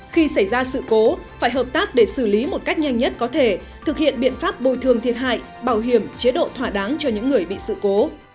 khi xảy ra sự cố phải hợp tác để xử lý một cách nhanh nhất có thể thực hiện biện pháp bồi thường thiệt hại bảo hiểm chế độ thỏa đáng cho những người bị sự cố